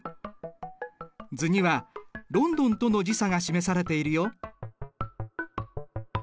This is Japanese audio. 図にはロンドンとの時差が示されているよ。